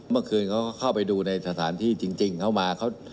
เมื่อคืนเขาก็เข้าไปดูในสถานที่จริงเขามาเขา